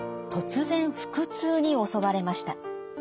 突然腹痛に襲われました。